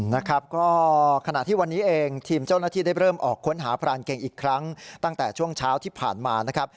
นะครับก็ขณะที่วันนี้เองทีมเจ้าหน้าที่ได้เริ่มออกค้นหาพรานเก่งอีกครั้งตั้งแต่ช่วงเช้าที่ผ่านมานะครับ